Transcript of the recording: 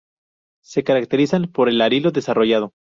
Se caracterizan por el arilo desarrollado.